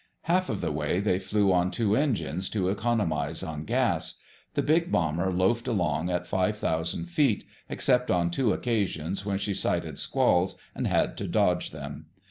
Half of the way they flew on two engines, to economize on gas. The big bomber loafed along at five thousand feet, except on two occasions when she sighted squalls and had to dodge them.